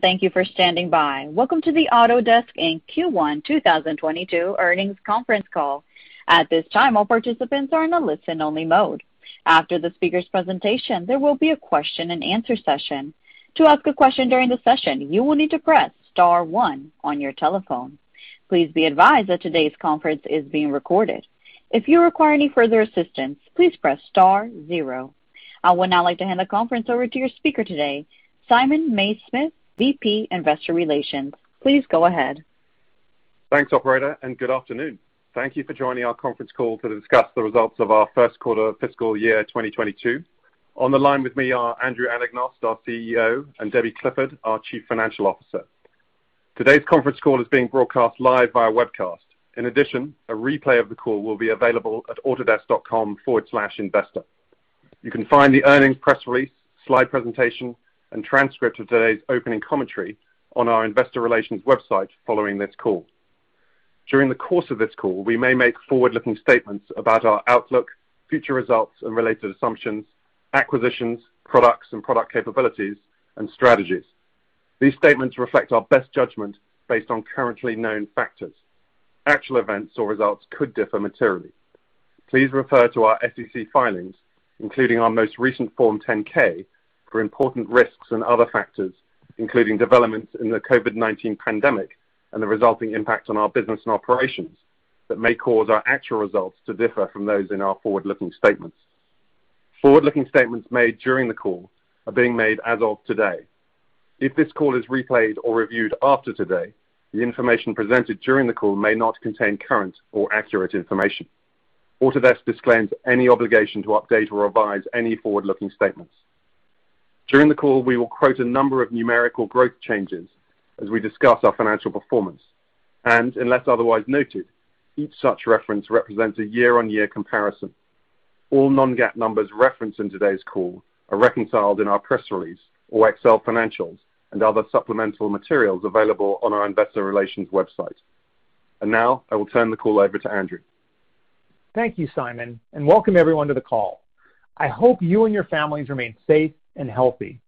Thank you for standing by. Welcome to the Autodesk Inc. Q1 2022 earnings conference call. I would now like to hand the conference over to your speaker today, Simon Mays-Smith, VP Investor Relations. Please go ahead. Thanks, operator. Good afternoon. Thank you for joining our conference call to discuss the results of our first quarter fiscal year 2022. On the line with me are Andrew Anagnost, our CEO, and Debbie Clifford, our Chief Financial Officer. Today's conference call is being broadcast live via webcast. In addition, a replay of the call will be available at autodesk.com/investor. You can find the earnings press release, slide presentation, and transcript of today's opening commentary on our investor relations website following this call. During the course of this call, we may make forward-looking statements about our outlook, future results, and related assumptions, acquisitions, products and product capabilities, and strategies. These statements reflect our best judgment based on currently known factors. Actual events or results could differ materially. Please refer to our SEC filings, including our most recent Form 10-K, for important risks and other factors, including developments in the COVID-19 pandemic and the resulting impact on our business and operations that may cause our actual results to differ from those in our forward-looking statements. Forward-looking statements made during the call are being made as of today. If this call is replayed or reviewed after today, the information presented during the call may not contain current or accurate information. Autodesk disclaims any obligation to update or revise any forward-looking statements. During the call, we will quote a number of numerical growth changes as we discuss our financial performance. Unless otherwise noted, each such reference represents a year-on-year comparison. All non-GAAP numbers referenced in today's call are reconciled in our press release or Excel financials and other supplemental materials available on our investor relations website. Now I will turn the call over to Andrew. Thank you, Simon, and welcome everyone to the call. I hope you and your families remain safe and healthy.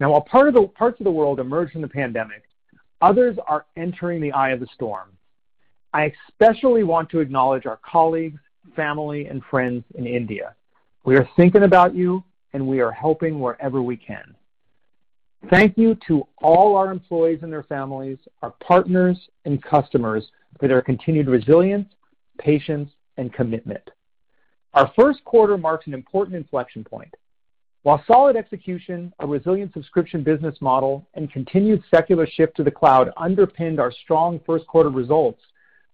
Now, while parts of the world emerge from the pandemic, others are entering the eye of the storm. I especially want to acknowledge our colleagues, family, and friends in India. We are thinking about you, and we are helping wherever we can. Thank you to all our employees and their families, our partners and customers for their continued resilience, patience, and commitment. Our first quarter marks an important inflection point. While solid execution, a resilient subscription business model, and continued secular shift to the cloud underpinned our strong first-quarter results,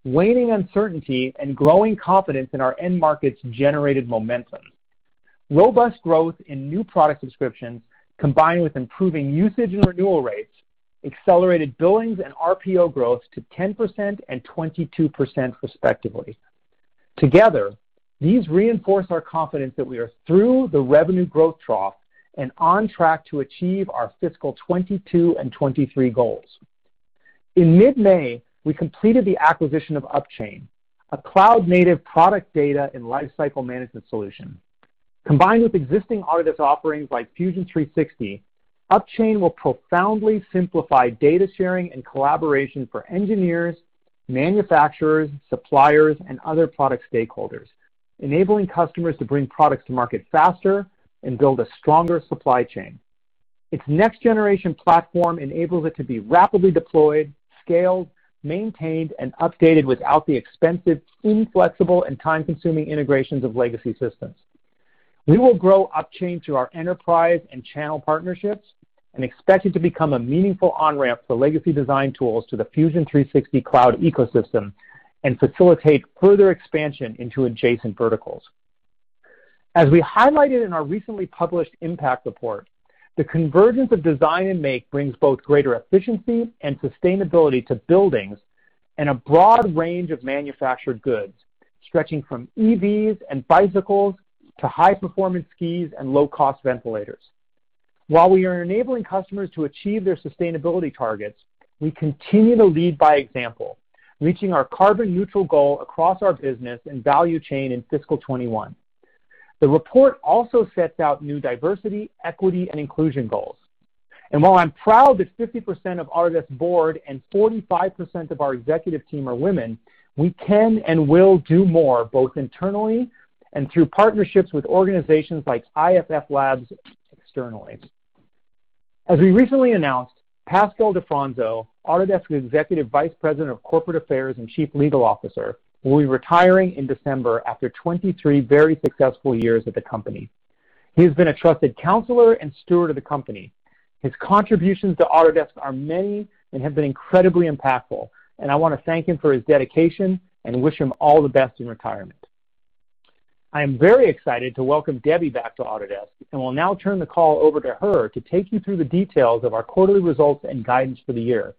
waning uncertainty and growing confidence in our end markets generated momentum. Robust growth in new product subscriptions, combined with improving usage and renewal rates, accelerated billings and RPO growth to 10% and 22%, respectively. Together, these reinforce our confidence that we are through the revenue growth trough and on track to achieve our fiscal 2022 and 2023 goals. In mid-May, we completed the acquisition of Upchain, a cloud-native product data and lifecycle management solution. Combined with existing Autodesk offerings like Fusion 360, Upchain will profoundly simplify data sharing and collaboration for engineers, manufacturers, suppliers, and other product stakeholders, enabling customers to bring products to market faster and build a stronger supply chain. Its next-generation platform enables it to be rapidly deployed, scaled, maintained, and updated without the expensive, inflexible, and time-consuming integrations of legacy systems. We will grow Upchain through our enterprise and channel partnerships and expect it to become a meaningful on-ramp for legacy design tools to the Fusion 360 cloud ecosystem and facilitate further expansion into adjacent verticals. As we highlighted in our recently published impact report, the convergence of design and make brings both greater efficiency and sustainability to buildings and a broad range of manufactured goods, stretching from EVs and bicycles to high-performance skis and low-cost ventilators. While we are enabling customers to achieve their sustainability targets, we continue to lead by example, reaching our carbon neutral goal across our business and value chain in fiscal 2021. The report also sets out new diversity, equity, and inclusion goals. While I'm proud that 50% of Autodesk's board and 45% of our executive team are women, we can and will do more, both internally and through partnerships with organizations like IFF Labs externally. As we recently announced, Pascal Di Fronzo, Autodesk's Executive Vice President of Corporate Affairs and Chief Legal Officer, will be retiring in December after 23 very successful years at the company. He has been a trusted counselor and steward of the company. His contributions to Autodesk are many and have been incredibly impactful, and I want to thank him for his dedication and wish him all the best in retirement. I'm very excited to welcome Debbie back to Autodesk and will now turn the call over to her to take you through the details of our quarterly results and guidance for the year.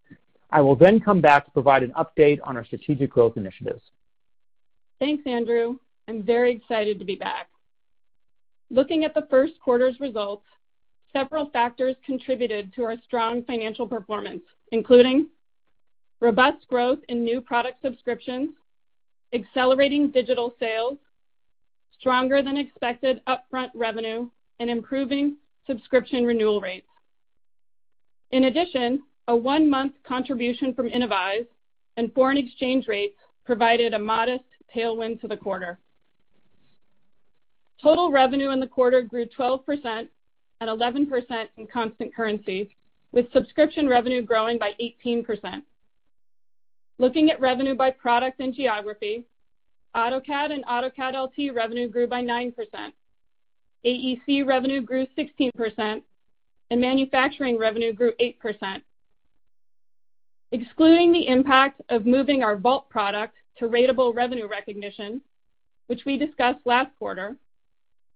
I will come back to provide an update on our strategic growth initiatives. Thanks, Andrew. I'm very excited to be back. Looking at the first quarter's results, several factors contributed to our strong financial performance, including robust growth in new product subscriptions, accelerating digital sales. Stronger than expected upfront revenue and improving subscription renewal rates. In addition, a one-month contribution from Innovyze and foreign exchange rates provided a modest tailwind to the quarter. Total revenue in the quarter grew 12% and 11% in constant currency, with subscription revenue growing by 18%. Looking at revenue by product and geography, AutoCAD and AutoCAD LT revenue grew by 9%. AEC revenue grew 16%, and manufacturing revenue grew 8%. Excluding the impact of moving our Vault product to ratable revenue recognition, which we discussed last quarter,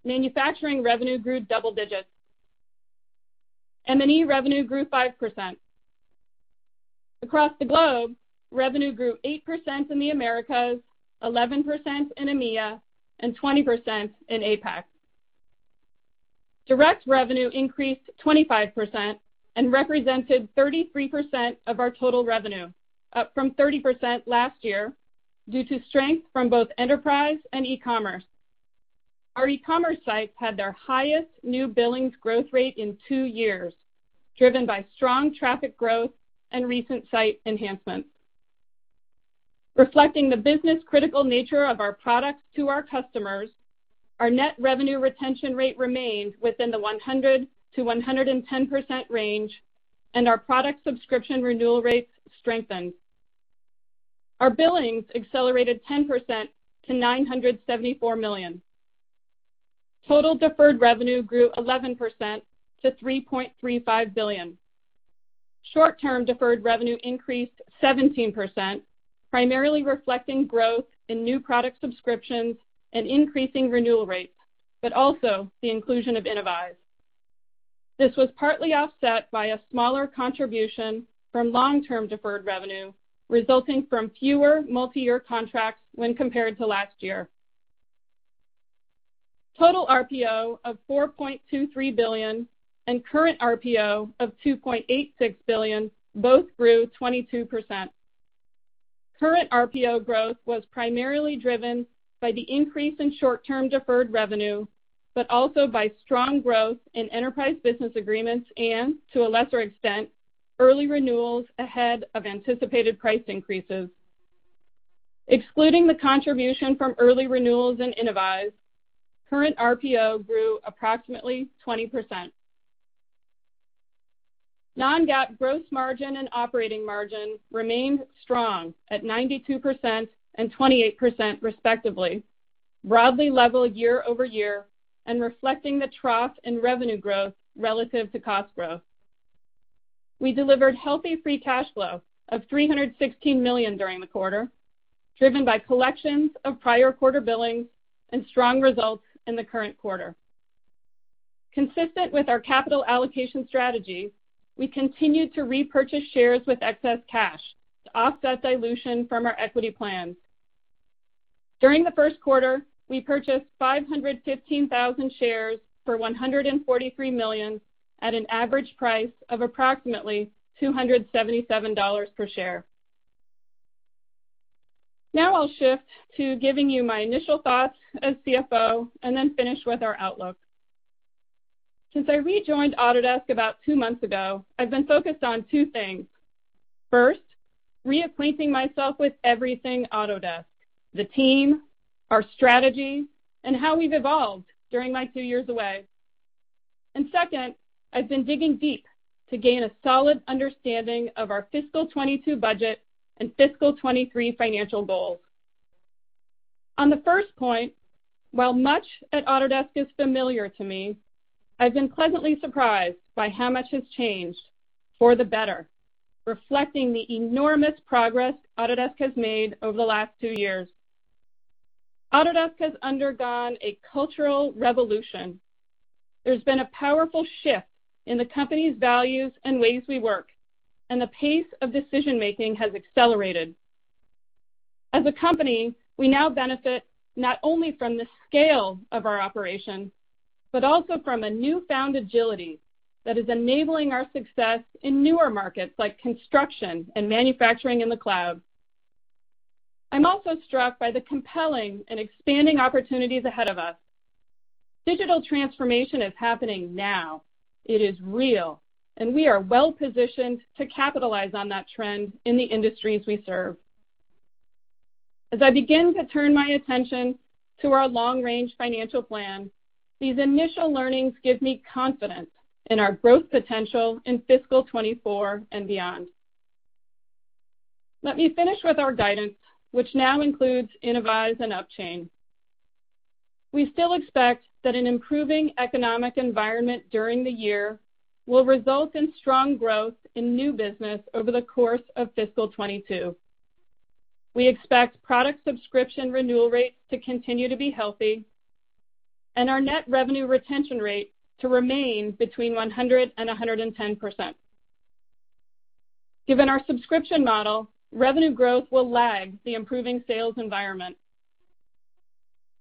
manufacturing revenue grew double digits. M&E revenue grew 5%. Across the globe, revenue grew 8% in the Americas, 11% in EMEA, and 20% in APAC. Direct revenue increased 25% and represented 33% of our total revenue, up from 30% last year, due to strength from both enterprise and e-commerce. Our e-commerce sites had their highest new billings growth rate in two years, driven by strong traffic growth and recent site enhancements. Reflecting the business-critical nature of our products to our customers, our net revenue retention rate remained within the 100%-110% range, and our product subscription renewal rates strengthened. Our billings accelerated 10% to $974 million. Total deferred revenue grew 11% to $3.35 billion. Short-term deferred revenue increased 17%, primarily reflecting growth in new product subscriptions and increasing renewal rates, but also the inclusion of Innovyze. This was partly offset by a smaller contribution from long-term deferred revenue, resulting from fewer multi-year contracts when compared to last year. Total RPO of $4.23 billion and current RPO of $2.86 billion both grew 22%. Current RPO growth was primarily driven by the increase in short-term deferred revenue, but also by strong growth in enterprise business agreements and, to a lesser extent, early renewals ahead of anticipated price increases. Excluding the contribution from early renewals in Innovyze, current RPO grew approximately 20%. Non-GAAP gross margin and operating margin remained strong at 92% and 28% respectively, broadly level year-over-year and reflecting the trough in revenue growth relative to cost growth. We delivered healthy free cash flow of $316 million during the quarter, driven by collections of prior quarter billings and strong results in the current quarter. Consistent with our capital allocation strategy, we continued to repurchase shares with excess cash to offset dilution from our equity plans. During the first quarter, we purchased 515,000 shares for $143 million at an average price of approximately $277 per share. I'll shift to giving you my initial thoughts as CFO and then finish with our outlook. Since I rejoined Autodesk about two months ago, I've been focused on two things. First, reacquainting myself with everything Autodesk, the team, our strategy, and how we've evolved during my two years away. Second, I've been digging deep to gain a solid understanding of our fiscal 2022 budget and fiscal 2023 financial goals. On the first point, while much at Autodesk is familiar to me, I've been pleasantly surprised by how much has changed for the better, reflecting the enormous progress Autodesk has made over the last two years. Autodesk has undergone a cultural revolution. There's been a powerful shift in the company's values and ways we work, and the pace of decision-making has accelerated. As a company, we now benefit not only from the scale of our operations, but also from a newfound agility that is enabling our success in newer markets like construction and manufacturing in the cloud. I'm also struck by the compelling and expanding opportunities ahead of us. Digital transformation is happening now. It is real, we are well-positioned to capitalize on that trend in the industries we serve. As I begin to turn my attention to our long-range financial plan, these initial learnings give me confidence in our growth potential in fiscal 2024 and beyond. Let me finish with our guidance, which now includes Innovyze and Upchain. We still expect that an improving economic environment during the year will result in strong growth in new business over the course of fiscal 2022. We expect product subscription renewal rates to continue to be healthy, and our net revenue retention rate to remain between 100% and 110%. Given our subscription model, revenue growth will lag the improving sales environment.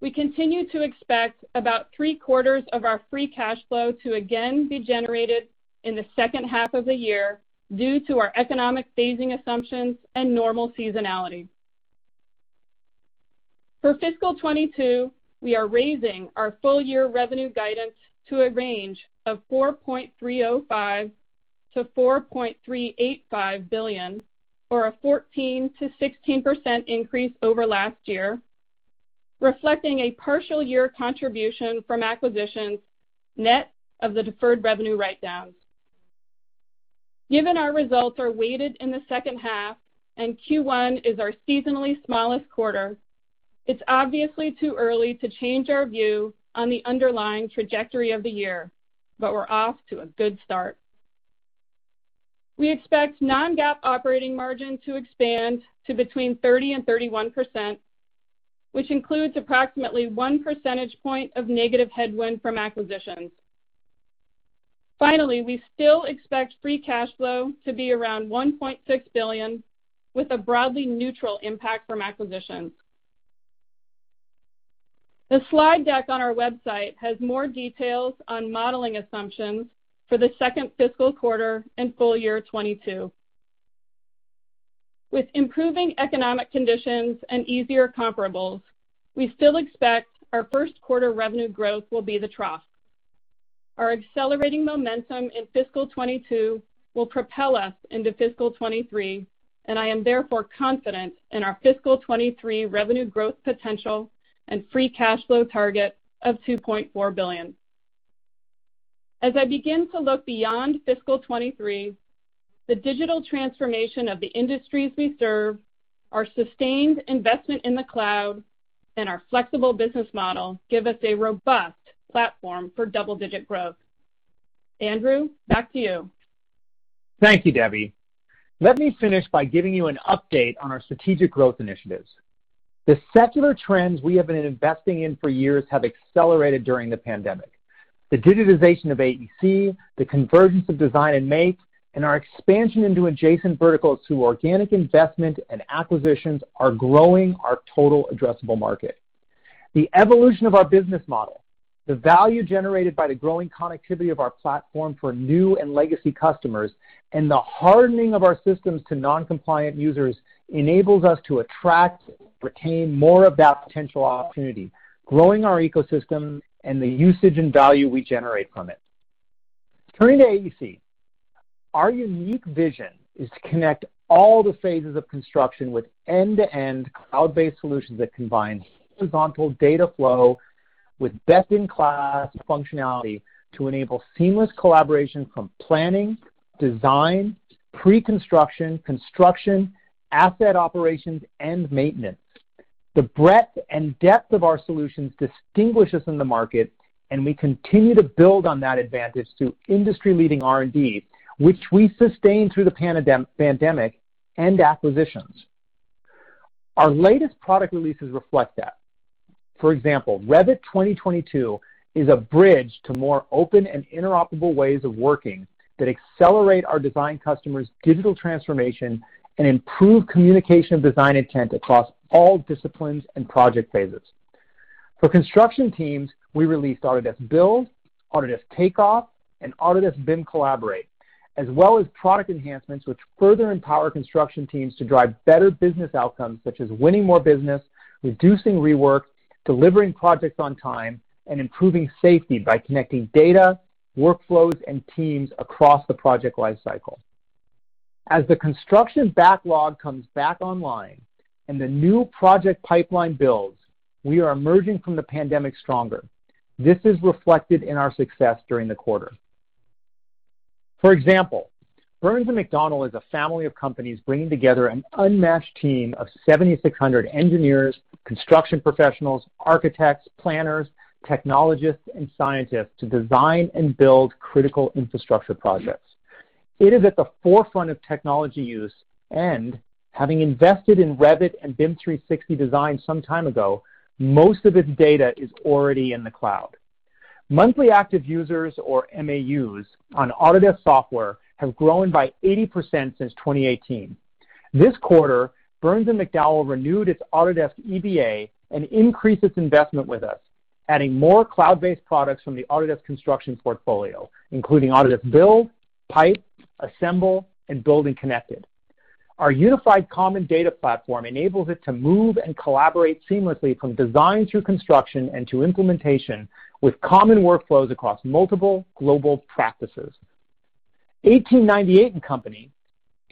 We continue to expect about three-quarters of our free cash flow to again be generated in the second half of the year, due to our economic phasing assumptions and normal seasonality. For fiscal 2022, we are raising our full-year revenue guidance to a range of $4.305 billion-$4.385 billion, or a 14%-16% increase over last year, reflecting a partial year contribution from acquisitions, net of the deferred revenue write-downs. Given our results are weighted in the second half and Q1 is our seasonally smallest quarter, it's obviously too early to change our view on the underlying trajectory of the year. We're off to a good start. We expect non-GAAP operating margin to expand to between 30% and 31%, which includes approximately one percentage point of negative headwind from acquisitions. I still expect free cash flow to be around $1.6 billion, with a broadly neutral impact from acquisitions. The slide deck on our website has more details on modeling assumptions for the second fiscal quarter and full year 2022. With improving economic conditions and easier comparables, we still expect our first quarter revenue growth will be the trough. Our accelerating momentum in fiscal 2022 will propel us into fiscal 2023. I am therefore confident in our fiscal 2023 revenue growth potential and free cash flow target of $2.4 billion. As I begin to look beyond fiscal 2023, the digital transformation of the industries we serve, our sustained investment in the cloud, and our flexible business model give us a robust platform for double-digit growth. Andrew, back to you. Thank you, Debbie. Let me finish by giving you an update on our strategic growth initiatives. The secular trends we have been investing in for years have accelerated during the pandemic. The digitization of AEC, the convergence of design and make, and our expansion into adjacent verticals through organic investment and acquisitions are growing our total addressable market. The evolution of our business model, the value generated by the growing connectivity of our platform for new and legacy customers, and the hardening of our systems to non-compliant users enables us to attract and retain more of that potential opportunity, growing our ecosystem and the usage and value we generate from it. Turning to AEC, our unique vision is to connect all the phases of construction with end-to-end cloud-based solutions that combine horizontal data flow with best-in-class functionality to enable seamless collaboration from planning, design, pre-construction, construction, asset operations, and maintenance. The breadth and depth of our solutions distinguish us in the market, and we continue to build on that advantage through industry-leading R&D, which we sustained through the pandemic, and acquisitions. Our latest product releases reflect that. For example, Revit 2022 is a bridge to more open and interoperable ways of working that accelerate our design customers' digital transformation and improve communication design intent across all disciplines and project phases. For construction teams, we released Autodesk Build, Autodesk Takeoff, and Autodesk BIM Collaborate, as well as product enhancements which further empower construction teams to drive better business outcomes, such as winning more business, reducing rework, delivering projects on time, and improving safety by connecting data, workflows, and teams across the project lifecycle. As the construction backlog comes back online and the new project pipeline builds, we are emerging from the pandemic stronger. This is reflected in our success during the quarter. For example, Burns & McDonnell is a family of companies bringing together an unmatched team of 7,600 engineers, construction professionals, architects, planners, technologists, and scientists to design and build critical infrastructure projects. It is at the forefront of technology use and, having invested in Revit and BIM 360 Design some time ago, most of its data is already in the cloud. Monthly active users, or MAUs, on Autodesk software have grown by 80% since 2018. This quarter, Burns & McDonnell renewed its Autodesk EBA and increased its investment with us, adding more cloud-based products from the Autodesk Construction portfolio, including Autodesk Build, Pype, Assemble, and BuildingConnected. Our unified common data platform enables it to move and collaborate seamlessly from design through construction and to implementation with common workflows across multiple global practices. 1898 & Co.,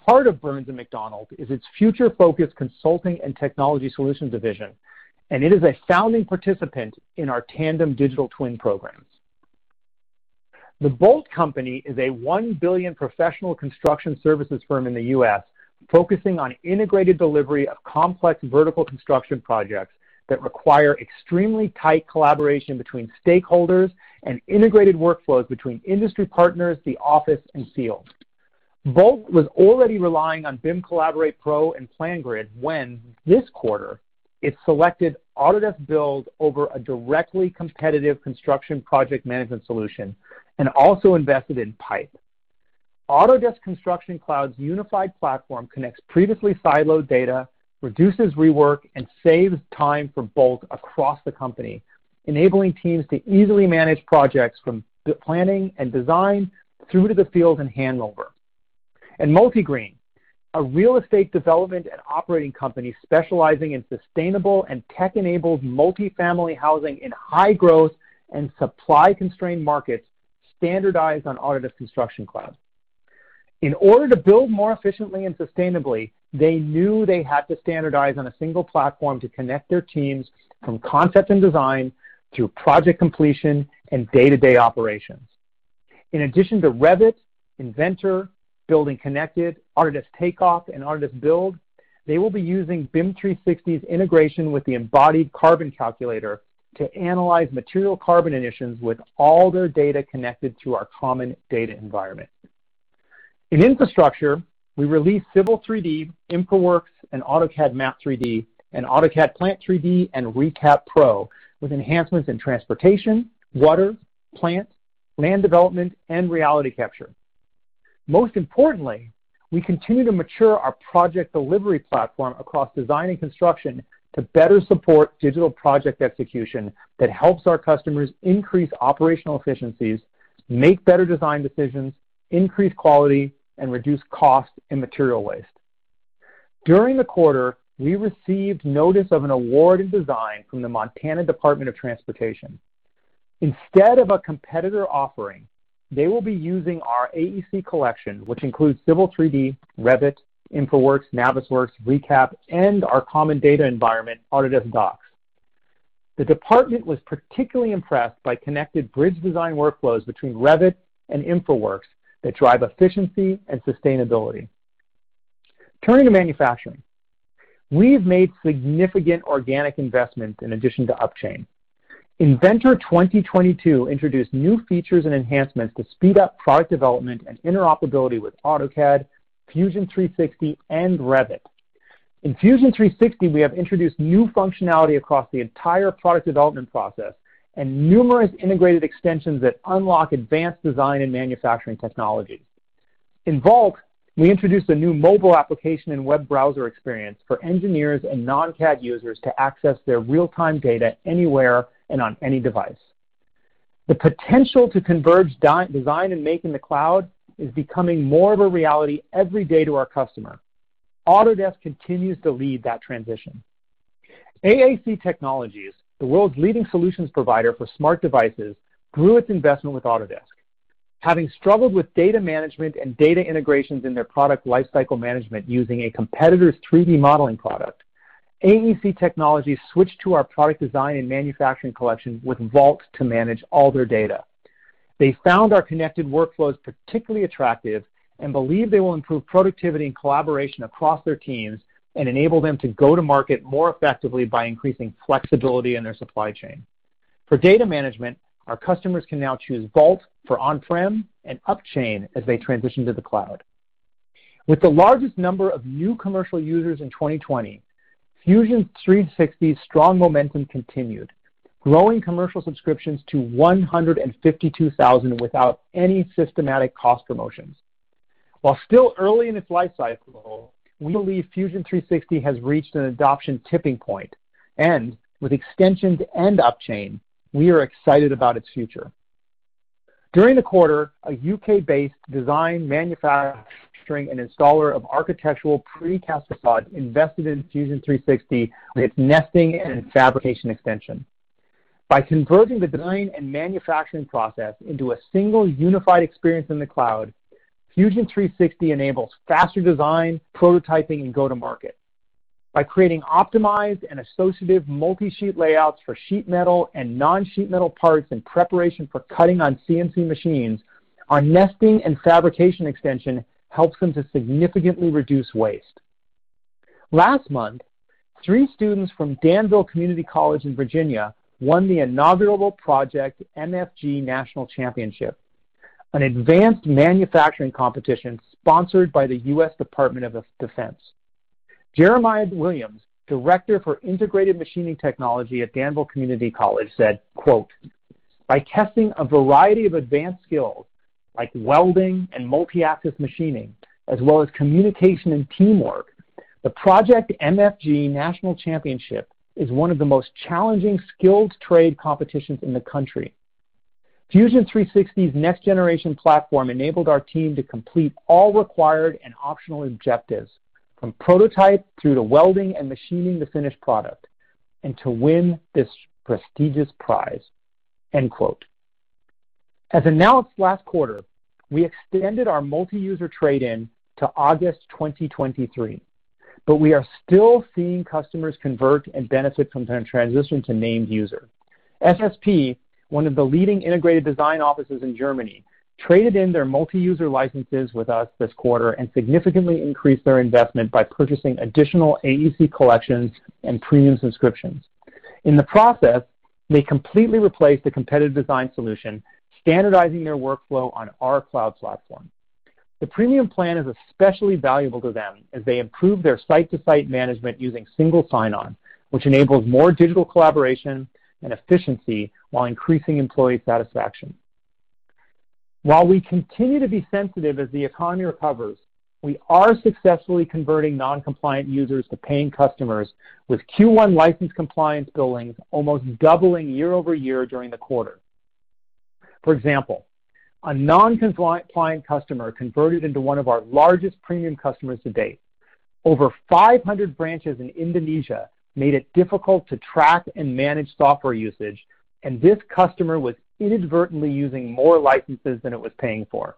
part of Burns & McDonnell, is its future-focused consulting and technology solutions division, and it is a founding participant in our Tandem digital twin programs. The Boldt Company is a $1 billion professional construction services firm in the U.S., focusing on integrated delivery of complex vertical construction projects that require extremely tight collaboration between stakeholders and integrated workflows between industry partners, the office, and field. Boldt was already relying on BIM Collaborate Pro and PlanGrid when, this quarter, it selected Autodesk Build over a directly competitive construction project management solution and also invested in Pype. Autodesk Construction Cloud's unified platform connects previously siloed data, reduces rework, and saves time for both across the company, enabling teams to easily manage projects from planning and design through to the field and handover. MultiGreen, a real estate development and operating company specializing in sustainable and tech-enabled multifamily housing in high-growth and supply-constrained markets, standardized on Autodesk Construction Cloud. In order to build more efficiently and sustainably, they knew they had to standardize on a single platform to connect their teams from concept and design through project completion and day-to-day operations. In addition to Revit, Inventor, BuildingConnected, Autodesk Takeoff, and Autodesk Build, they will be using BIM 360's integration with the embodied carbon calculator to analyze material carbon emissions with all their data connected through our common data environment. In infrastructure, we released Civil 3D, InfraWorks, and AutoCAD Map 3D, and AutoCAD Plant 3D and ReCap Pro, with enhancements in transportation, water, plant, land development, and reality capture. Most importantly, we continue to mature our project delivery platform across design and construction to better support digital project execution that helps our customers increase operational efficiencies, make better design decisions, increase quality, and reduce cost and material waste. During the quarter, we received notice of an award in design from the Montana Department of Transportation. Instead of a competitor offering, they will be using our AEC Collection, which includes Civil 3D, Revit, InfraWorks, Navisworks, ReCap, and our common data environment, Autodesk Docs. The department was particularly impressed by connected bridge design workflows between Revit and InfraWorks that drive efficiency and sustainability. Turning to manufacturing, we've made significant organic investments in addition to Upchain. Inventor 2022 introduced new features and enhancements to speed up product development and interoperability with AutoCAD, Fusion 360, and Revit. In Fusion 360, we have introduced new functionality across the entire product development process and numerous integrated extensions that unlock advanced design and manufacturing technology. In Vault, we introduced a new mobile application and web browser experience for engineers and non-CAD users to access their real-time data anywhere and on any device. The potential to converge design and make in the cloud is becoming more of a reality every day to our customer. Autodesk continues to lead that transition. AAC Technologies, the world's leading solutions provider for smart devices, grew its investment with Autodesk. Having struggled with data management and data integrations in their product lifecycle management using a competitor's 3D modeling product, AAC Technologies switched to our Product Design and Manufacturing Collection with Vault to manage all their data. They found our connected workflows particularly attractive and believe they will improve productivity and collaboration across their teams and enable them to go to market more effectively by increasing flexibility in their supply chain. For data management, our customers can now choose Vault for on-prem and Upchain as they transition to the cloud. With the largest number of new commercial users in 2020, Fusion 360's strong momentum continued, growing commercial subscriptions to 152,000 without any systematic cost promotions. While still early in its lifecycle, we believe Fusion 360 has reached an adoption tipping point, and with extensions and Upchain, we are excited about its future. During the quarter, a U.K.-based design, manufacturing, and installer of architectural precast facade invested in Fusion 360 with Nesting and Fabrication Extension. By converging the design and manufacturing process into a single unified experience in the cloud, Fusion 360 enables faster design, prototyping, and go to market. By creating optimized and associative multi-sheet layouts for sheet metal and non-sheet metal parts in preparation for cutting on CNC machines, our Nesting and Fabrication Extension helps them to significantly reduce waste. Last month, three students from Danville Community College in Virginia won the inaugural Project MFG National Championship, an advanced manufacturing competition sponsored by the US Department of Defense. Jeremiah Williams, director for integrated machining technology at Danville Community College, said, quote, "By testing a variety of advanced skills like welding and multi-axis machining, as well as communication and teamwork, the Project MFG National Championship is one of the most challenging skilled trade competitions in the country. Fusion 360's next-generation platform enabled our team to complete all required and optional objectives, from prototype through to welding and machining the finished product, and to win this prestigious prize." End quote. As announced last quarter, we extended our multi-user trade-in to August 2023, but we are still seeing customers convert and benefit from their transition to named user. SSP, one of the leading integrated design offices in Germany, traded in their multi-user licenses with us this quarter and significantly increased their investment by purchasing additional AEC Collections and Premium subscriptions. In the process, they completely replaced the competitive design solution, standardizing their workflow on our cloud platform. The Premium plan is especially valuable to them as they improve their site-to-site management using single sign-on, which enables more digital collaboration and efficiency while increasing employee satisfaction. While we continue to be sensitive as the economy recovers, we are successfully converting non-compliant users to paying customers with Q1 license compliance billings almost doubling year-over-year during the quarter. For example, a non-compliant customer converted into one of our largest Premium customers to date. Over 500 branches in Indonesia made it difficult to track and manage software usage, and this customer was inadvertently using more licenses than it was paying for.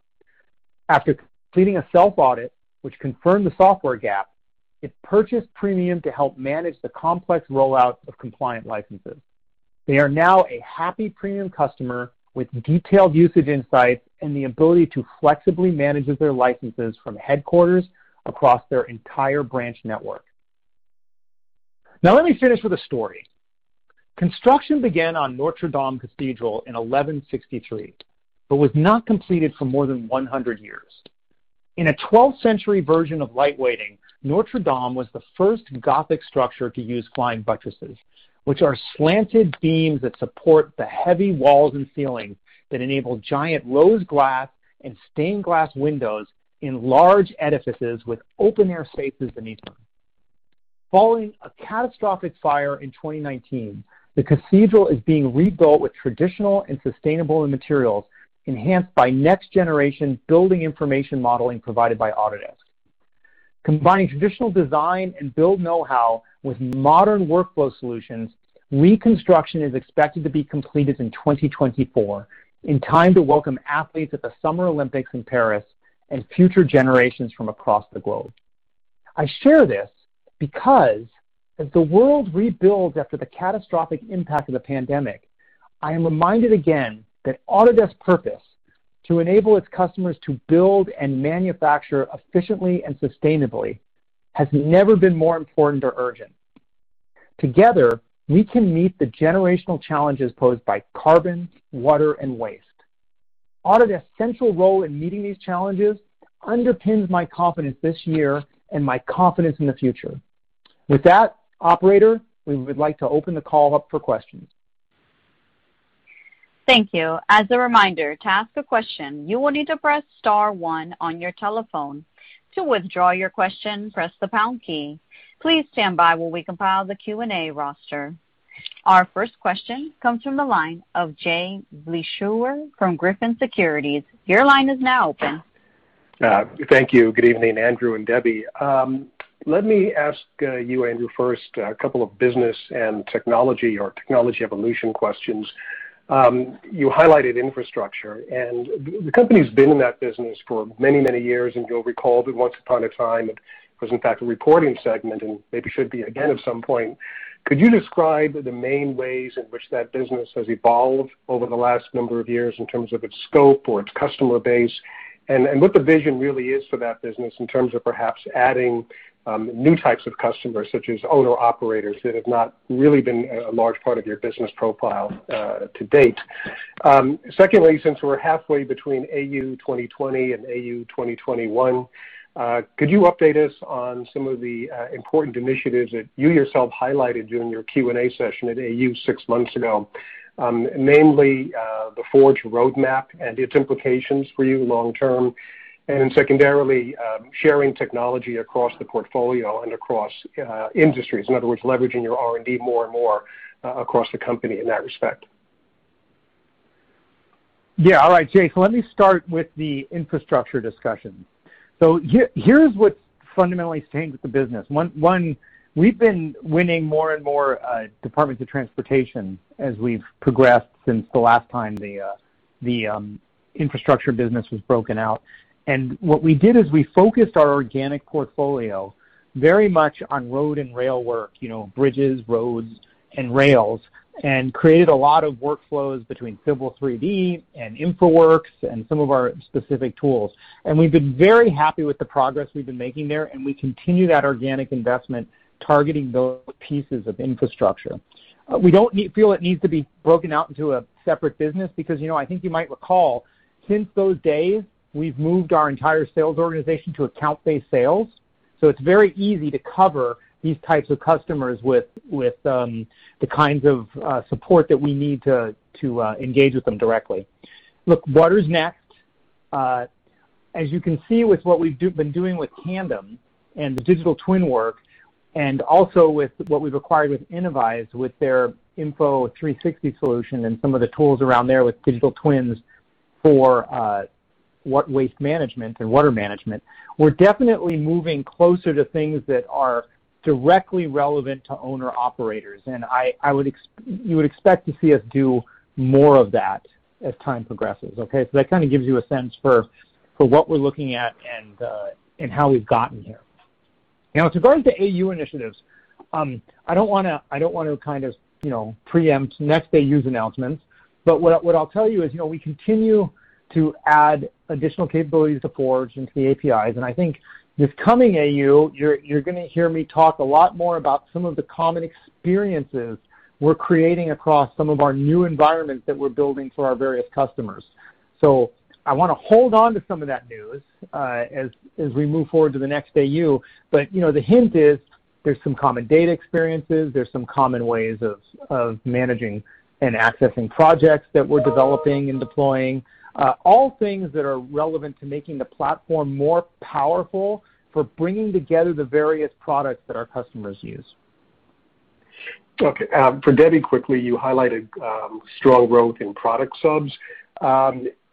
After completing a self-audit, which confirmed the software gap, it purchased Premium to help manage the complex rollout of compliant licenses. They are now a happy Premium customer with detailed usage insights and the ability to flexibly manage their licenses from headquarters across their entire branch network. Now, let me finish with a story. Construction began on Notre Dame Cathedral in 1163 but was not completed for more than 100 years. In a 12th century version of lightweighting, Notre Dame was the first Gothic structure to use flying buttresses, which are slanted beams that support the heavy walls and ceilings that enable giant rose glass and stained glass windows in large edifices with open air spaces beneath them. Following a catastrophic fire in 2019, the cathedral is being rebuilt with traditional and sustainable materials, enhanced by next generation building information modeling provided by Autodesk. Combining traditional design and build know-how with modern workflow solutions, reconstruction is expected to be completed in 2024, in time to welcome athletes at the Summer Olympics in Paris and future generations from across the globe. I share this because as the world rebuilds after the catastrophic impact of the pandemic, I am reminded again that Autodesk purpose to enable its customers to build and manufacture efficiently and sustainably, has never been more important or urgent. Together, we can meet the generational challenges posed by carbon, water, and waste. Autodesk central role in meeting these challenges underpins my confidence this year and my confidence in the future. With that, operator, we would like to open the call up for questions. Thank you. As a reminder, to ask a question, you will need to press star one on your telephone. To withdraw your question, press the pound key. Please stand by while we compile the Q&A roster. Our first question comes from the line of Jay Vleeschhouwer from Griffin Securities. Your line is now open. Thank you. Good evening, Andrew and Debbie. Let me ask you, Andrew, first, a couple of business and technology or technology evolution questions. You highlighted infrastructure, and the company's been in that business for many, many years, and you'll recall that once upon a time, it was in fact a reporting segment and maybe should be again at some point. Could you describe the main ways in which that business has evolved over the last number of years in terms of its scope or its customer base? What the vision really is for that business in terms of perhaps adding new types of customers, such as owner-operators, that have not really been a large part of your business profile to date. Secondly, since we're halfway between AU 2020 and AU 2021, could you update us on some of the important initiatives that you yourself highlighted during your Q&A session at AU six months ago? Namely, the Forge roadmap and its implications for you long term, and secondarily, sharing technology across the portfolio and across industries. In other words, leveraging your R&D more and more across the company in that respect. Yeah. All right, Jay. Let me start with the infrastructure discussion. Here's what's fundamentally staying with the business. One, we've been winning more and more departments of transportation as we've progressed since the last time the infrastructure business was broken out. What we did is we focused our organic portfolio very much on road and rail work, bridges, roads, and rails, and created a lot of workflows between Civil 3D and InfraWorks and some of our specific tools. We've been very happy with the progress we've been making there, and we continue that organic investment targeting those pieces of infrastructure. We don't feel it needs to be broken out into a separate business because, I think you might recall, since those days, we've moved our entire sales organization to account-based sales. It's very easy to cover these types of customers with the kinds of support that we need to engage with them directly. Look, water's next. As you can see with what we've been doing with Tandem and the digital twin work, and also with what we've acquired with Innovyze, with their Info360 solution and some of the tools around there with digital twins for waste management and water management, we're definitely moving closer to things that are directly relevant to owner-operators. You would expect to see us do more of that as time progresses. Okay. That kind of gives you a sense for what we're looking at and how we've gotten here. Regarding the AU initiatives, I don't want to kind of preempt next AU's announcements, but what I'll tell you is we continue to add additional capabilities to Forge into the APIs, and I think this coming AU, you're going to hear me talk a lot more about some of the common experiences we're creating across some of our new environments that we're building for our various customers. I want to hold on to some of that news as we move forward to the next AU. The hint is, there's some common data experiences. There's some common ways of managing and accessing projects that we're developing and deploying. All things that are relevant to making the platform more powerful for bringing together the various products that our customers use. Okay. For Debbie, quickly, you highlighted strong growth in product subs.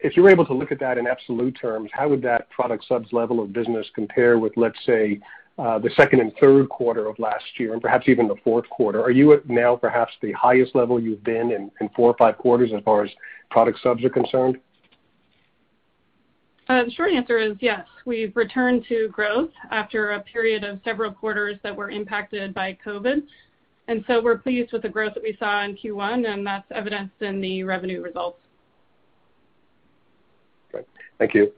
If you're able to look at that in absolute terms, how would that product subs level of business compare with, let's say, the second and third quarter of last year, perhaps even the fourth quarter? Are you at now perhaps the highest level you've been in four or five quarters as far as product subs are concerned? The short answer is yes. We've returned to growth after a period of several quarters that were impacted by COVID, and so we're pleased with the growth that we saw in Q1, and that's evidenced in the revenue results. Okay. Thank you.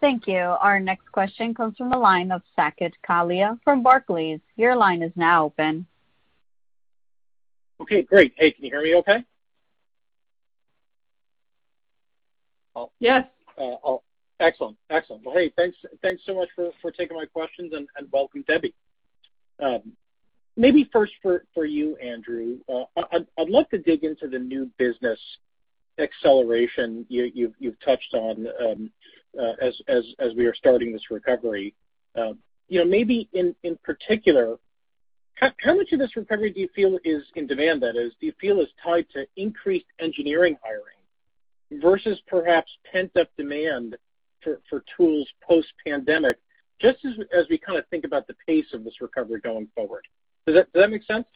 Thank you. Our next question comes from the line of Saket Kalia from Barclays. Your line is now open. Okay, great. Hey, can you hear me okay? Yes. Excellent. Well, hey, thanks so much for taking my questions and involving Debbie. First for you, Andrew. I'd love to dig into the new business acceleration you've touched on as we are starting this recovery. In particular, how much of this recovery do you feel is in demand that is, do you feel is tied to increased engineering hiring versus perhaps pent-up demand for tools post-pandemic, just as we think about the pace of this recovery going forward. Does that make sense?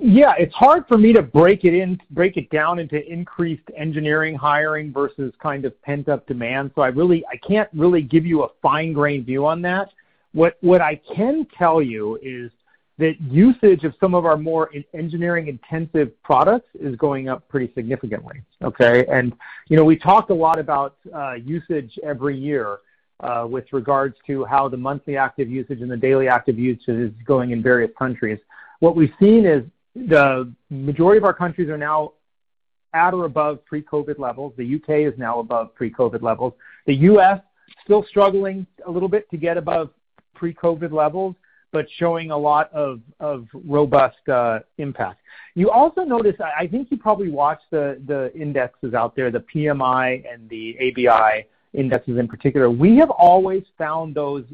Yeah. It's hard for me to break it down into increased engineering hiring versus pent-up demand. I can't really give you a fine-grain view on that. What I can tell you is that usage of some of our more engineering intensive products is going up pretty significantly. Okay? We talk a lot about usage every year with regards to how the monthly active usage and the daily active usage is going in various countries. What we've seen is the majority of our countries are now at or above pre-COVID levels. The U.K. is now above pre-COVID levels. The U.S. still struggling a little bit to get above pre-COVID levels, but showing a lot of robust impact. You also notice, I think you probably watch the indexes out there, the PMI and the ABI indexes in particular. We have always found those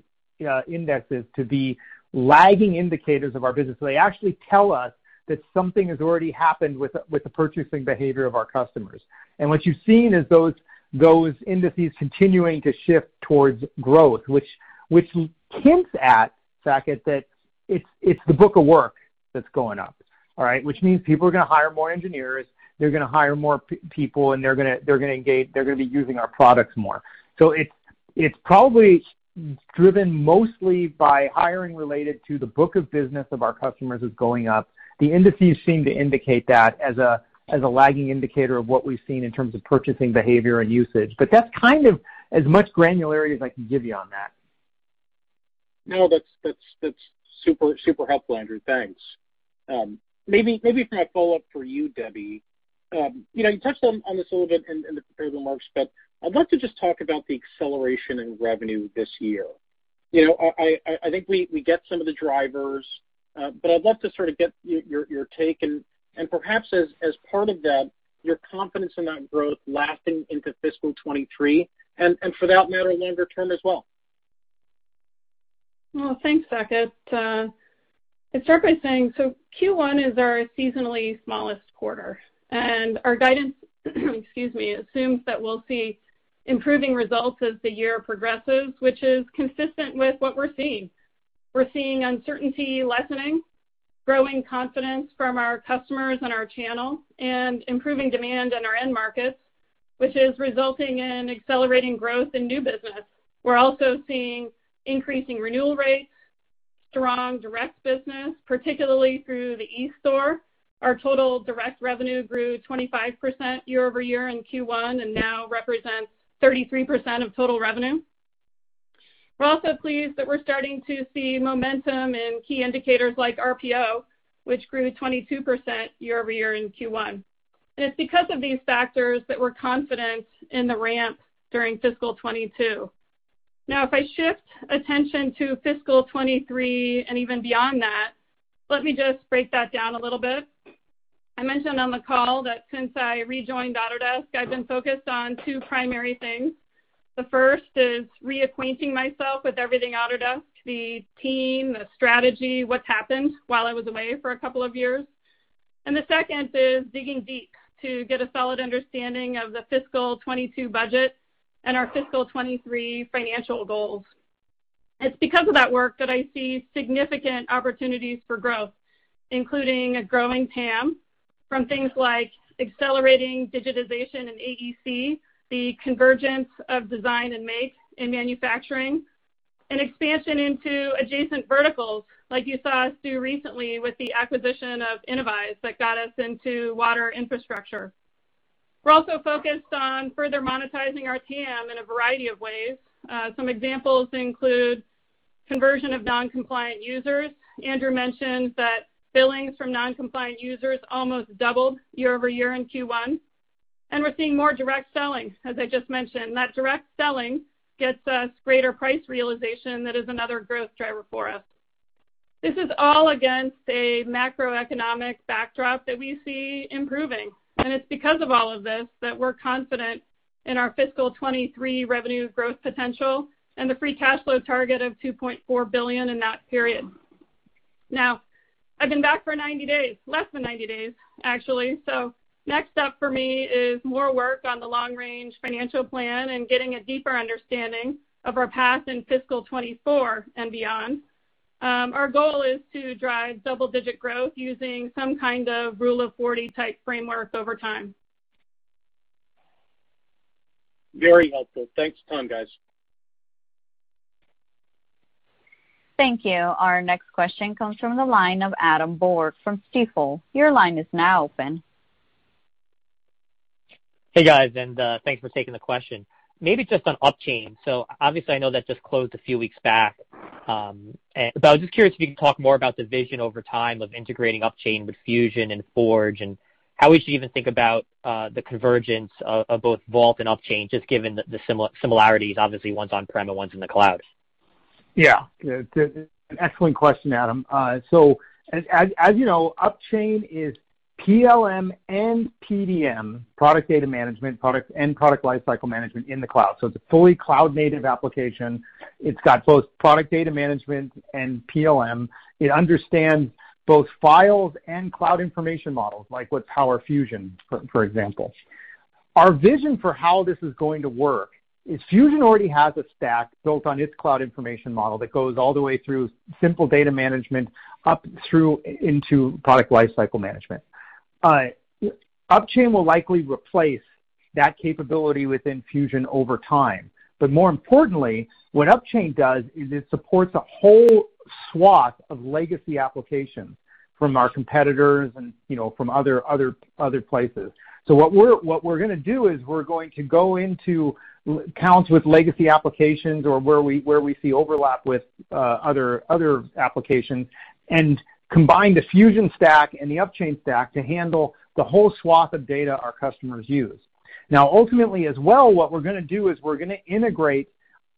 indexes to be lagging indicators of our business. They actually tell us that something has already happened with the purchasing behavior of our customers. What you've seen is those indices continuing to shift towards growth, which hints at, Saket, that it's the book of work that's going up. All right. Which means people are going to hire more engineers, they're going to hire more people, and they're going to engage. They're going to be using our products more. It's probably driven mostly by hiring related to the book of business of our customers who's going up. The indices seem to indicate that as a lagging indicator of what we've seen in terms of purchasing behavior and usage. That's as much granularity as I can give you on that. No, that's super helpful, Andrew. Thanks. Maybe kind of follow up for you, Debbie. I'd like to just talk about the acceleration in revenue this year. I think we get some of the drivers. I'd love to sort of get your take and perhaps as part of that, your confidence in that growth lasting into fiscal 2023 and for that matter, longer term as well. Well, thanks, Saket. It's everything. Q1 is our seasonally smallest quarter, and our guidance excuse me, assumes that we'll see improving results as the year progresses, which is consistent with what we're seeing. We're seeing uncertainty lessening, growing confidence from our customers and our channel, and improving demand in our end markets, which is resulting in accelerating growth in new business. We're also seeing increasing renewal rates, strong direct business, particularly through the eStore. Our total direct revenue grew 25% year-over-year in Q1 and now represents 33% of total revenue. We're also pleased that we're starting to see momentum in key indicators like RPO, which grew 22% year-over-year in Q1. It's because of these factors that we're confident in the ramp during fiscal 2022. If I shift attention to fiscal 2023 and even beyond that, let me just break that down a little bit. I mentioned on the call that since I rejoined Autodesk, I've been focused on two primary things. The first is reacquainting myself with everything Autodesk, the team, the strategy, what's happened while I was away for a couple of years. The second is digging deep to get a solid understanding of the fiscal 2022 budget and our fiscal 2023 financial goals. It's because of that work that I see significant opportunities for growth, including a growing TAM from things like accelerating digitization in AEC, the convergence of design and make in manufacturing, and expansion into adjacent verticals like you saw us do recently with the acquisition of Innovyze that got us into water infrastructure. We're also focused on further monetizing our TAM in a variety of ways. Some examples include conversion of noncompliant users. Andrew mentioned that billings from noncompliant users almost doubled year-over-year in Q1. And we're seeing more direct selling, as I just mentioned. That direct selling gets us greater price realization. That is another growth driver for us. This is all against a macroeconomic backdrop that we see improving. It's because of all of this that we're confident in our fiscal 2023 revenue growth potential and the free cash flow target of $2.4 billion in that period. Now, I've been back for 90 days, less than 90 days, actually. Next up for me is more work on the long-range financial plan and getting a deeper understanding of our path in fiscal 2024 and beyond. Our goal is to drive double-digit growth using some kind of Rule of 40 type framework over time. Very helpful. Thanks a ton, guys. Thank you. Our next question comes from the line of Adam Borg from Stifel. Your line is now open. Hey, guys, thanks for taking the question. Maybe just on Upchain. Obviously, I know that just closed a few weeks back. I was just curious if you could talk more about the vision over time of integrating Upchain with Fusion and Forge, and how we should even think about the convergence of both Vault and Upchain, just given the similarities, obviously, one's on-prem and one's in the cloud. Yeah. An excellent question, Adam. As you know, Upchain is PLM and PDM, product data management and product lifecycle management, in the cloud. It's a fully cloud-native application. It's got both product data management and PLM. It understands both files and cloud information models, like with Fusion, for example. Our vision for how this is going to work is Fusion already has a stack built on its cloud information model that goes all the way through simple data management up through into product lifecycle management. Upchain will likely replace that capability within Fusion over time. More importantly, what Upchain does is it supports a whole swath of legacy applications from our competitors and from other places. What we're going to do is we're going to go into accounts with legacy applications or where we see overlap with other applications and combine the Fusion stack and the Upchain stack to handle the whole swath of data our customers use. Ultimately as well, what we're going to do is we're going to integrate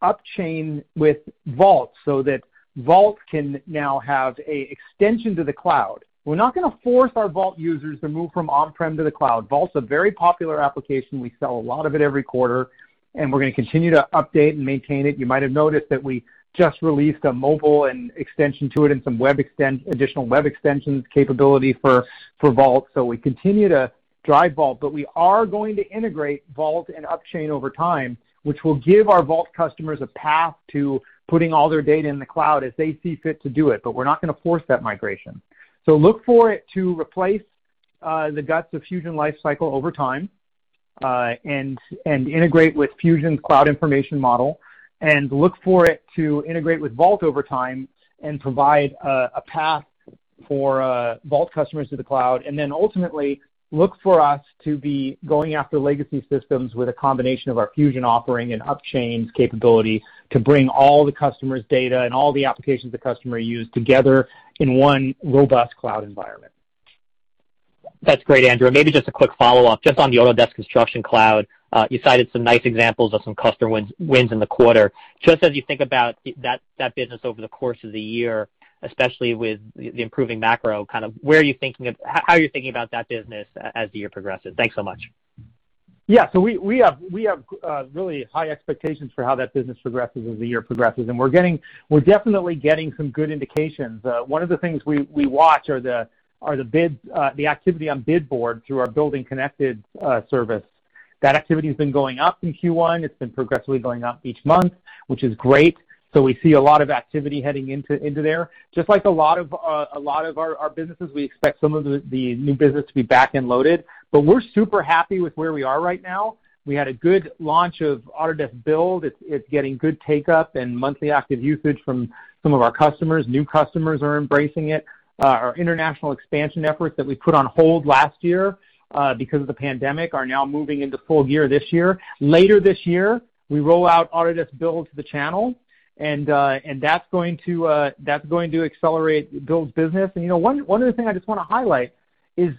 Upchain with Vault so that Vault can now have a extension to the cloud. We're not going to force our Vault users to move from on-prem to the cloud. Vault's a very popular application. We sell a lot of it every quarter, and we're going to continue to update and maintain it. You might have noticed that we just released a mobile and extension to it and some additional web extensions capability for Vault. We continue to drive Vault, but we are going to integrate Vault and Upchain over time, which will give our Vault customers a path to putting all their data in the cloud as they see fit to do it. We're not going to force that migration. Look for it to replace the guts of Fusion Lifecycle over time, and integrate with Fusion's cloud information model. Look for it to integrate with Vault over time and provide a path for Vault customers to the cloud. Ultimately, look for us to be going after legacy systems with a combination of our Fusion offering and Upchain's capability to bring all the customer's data and all the applications the customer used together in one robust cloud environment. That's great, Andrew. Maybe just a quick follow-up, just on the Autodesk Construction Cloud. You cited some nice examples of some customer wins in the quarter. Just as you think about that business over the course of the year, especially with the improving macro, how are you thinking about that business as the year progresses? Thanks so much. We have really high expectations for how that business progresses as the year progresses, and we're definitely getting some good indications. One of the things we watch are the activity on Bid Board through our BuildingConnected service. That activity's been going up in Q1. It's been progressively going up each month, which is great. We see a lot of activity heading into there. Just like a lot of our businesses, we expect some of the new business to be back end loaded. We're super happy with where we are right now. We had a good launch of Autodesk Build. It's getting good take-up and monthly active usage from some of our customers. New customers are embracing it. Our international expansion efforts that we put on hold last year because of the pandemic are now moving into full gear this year. Later this year, we roll out Autodesk Build to the channel, that's going to accelerate Build's business. One other thing I just want to highlight is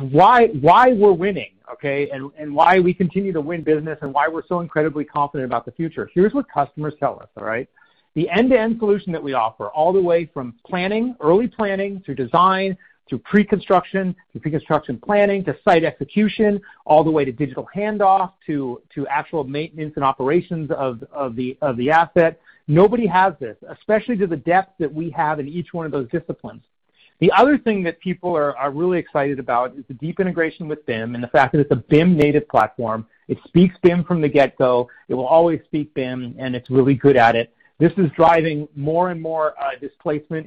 why we're winning, okay? Why we continue to win business and why we're so incredibly confident about the future. Here's what customers tell us, all right? The end-to-end solution that we offer, all the way from planning, early planning, to design, to pre-construction, to pre-construction planning, to site execution, all the way to digital handoff, to actual maintenance and operations of the asset. Nobody has this, especially to the depth that we have in each one of those disciplines. The other thing that people are really excited about is the deep integration with BIM and the fact that it's a BIM-native platform. It speaks BIM from the get-go. It will always speak BIM, and it's really good at it. This is driving more and more displacement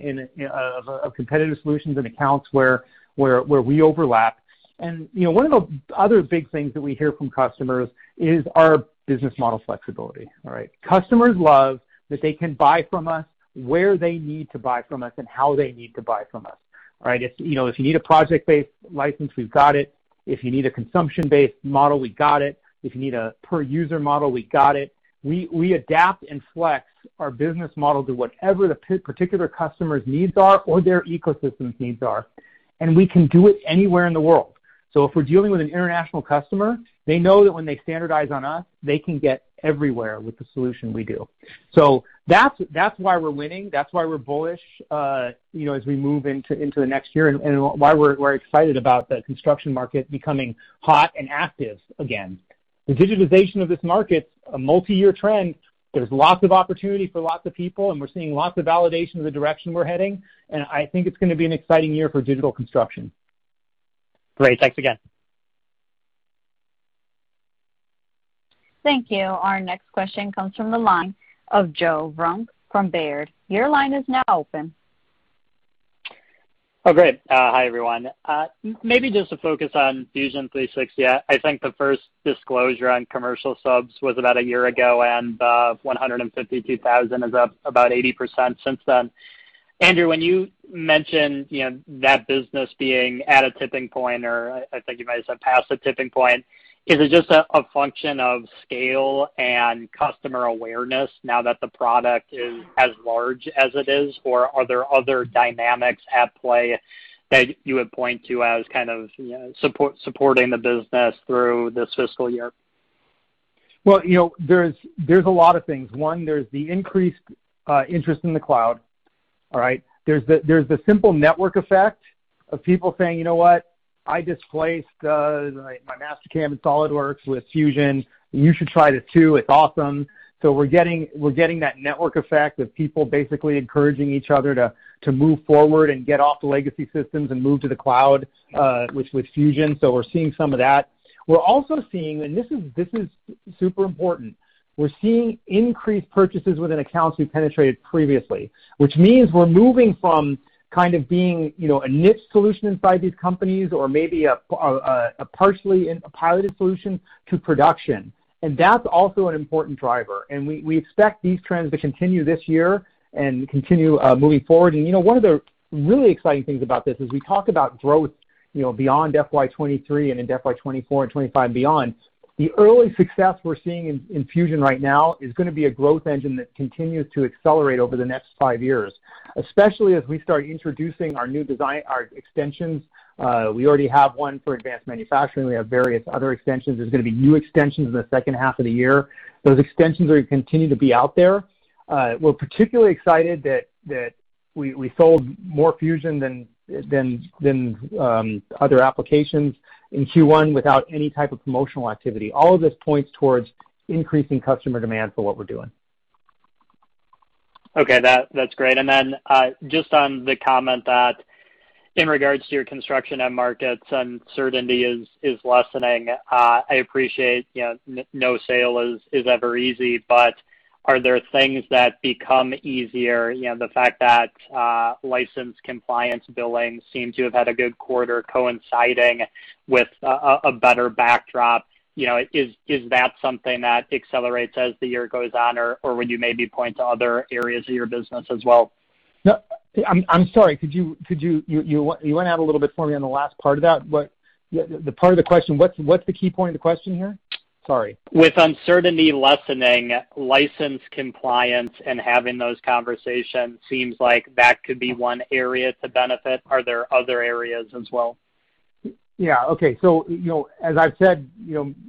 of competitive solutions and accounts where we overlap. One of the other big things that we hear from customers is our business model flexibility. All right? Customers love that they can buy from us where they need to buy from us and how they need to buy from us. All right? If you need a project-based license, we've got it. If you need a consumption-based model, we got it. If you need a per user model, we got it. We adapt and flex our business model to whatever the particular customer's needs are or their ecosystem's needs are, and we can do it anywhere in the world. If we're dealing with an international customer, they know that when they standardize on us, they can get everywhere with the solution we do. That's why we're winning, that's why we're bullish as we move into the next year and why we're excited about the construction market becoming hot and active again. The digitization of this market, a multi-year trend, there's lots of opportunity for lots of people, and we're seeing lots of validation in the direction we're heading. I think it's going to be an exciting year for digital construction. Great. Thanks again. Thank you. Our next question comes from the line of Joe Vruwink from Baird. Your line is now open. Oh, great. Hi, everyone. Maybe just to focus on Fusion 360. I think the first disclosure on commercial subs was about a year ago, and the 152,000 is up about 80% since then. Andrew, when you mentioned that business being at a tipping point or I think you might've said past the tipping point, is it just a function of scale and customer awareness now that the product is as large as it is, or are there other dynamics at play that you would point to as kind of supporting the business through this fiscal year? Well, there's a lot of things. One, there's the increased interest in the cloud. There's the simple network effect of people saying, "You know what? I displaced my Mastercam and SOLIDWORKS with Fusion. You should try it too. It's awesome." We're getting that network effect of people basically encouraging each other to move forward and get off the legacy systems and move to the cloud, with Fusion. We're seeing some of that. We're also seeing, and this is super important, we're seeing increased purchases within accounts we penetrated previously. Which means we're moving from kind of being a niche solution inside these companies or maybe a partially piloted solution to production. That's also an important driver. We expect these trends to continue this year and continue moving forward. One of the really exciting things about this is we talk about growth beyond FY 2023 and in FY 2024 and FY 2025 and beyond. The early success we're seeing in Fusion right now is going to be a growth engine that continues to accelerate over the next five years, especially as we start introducing our extensions. We already have one for advanced manufacturing. We have various other extensions. There's going to be new extensions in the second half of the year. Those extensions are going to continue to be out there. We're particularly excited that we sold more Fusion than other applications in Q1 without any type of promotional activity. All of this points towards increasing customer demand for what we're doing. Okay. That's great. Then, just on the comment that in regards to your construction end markets, uncertainty is lessening. I appreciate no sale is ever easy, but are there things that become easier? The fact that license compliance billing seemed to have had a good quarter coinciding with a better backdrop. Is that something that accelerates as the year goes on, or would you maybe point to other areas of your business as well? No. I'm sorry. Could you run out a little bit for me on the last part of that? The part of the question, what's the key point of the question here? Sorry. With uncertainty lessening, license compliance and having those conversations seems like that could be one area to benefit. Are there other areas as well? Yeah. Okay. As I've said